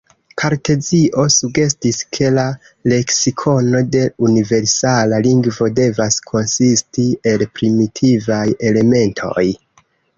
Kartezio sugestis ke la leksikono de universala lingvo devas konsisti el primitivaj elementoj.